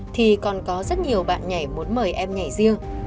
thì còn có rất nhiều bạn nhảy muốn mời em nhảy riêng